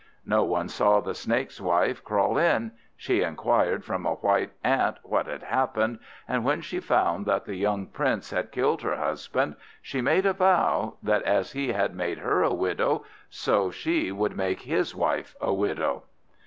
No one saw the Snake's wife crawl in; she inquired from a white ant what had happened, and when she found that the young Prince had killed her husband, she made a vow, that as he had made her a widow, so she would make his wife a widow.